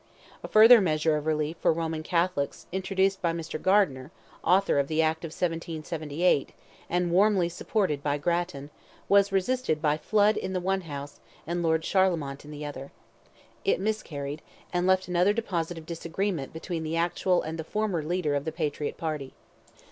A further measure of relief for Roman Catholics, introduced by Mr. Gardiner, author of the act of 1778, and warmly supported by Grattan, was resisted by Flood in the one House, and Lord Charlemont in the other. It miscarried, and left another deposit of disagreement between the actual and the former leader of the Patriot party.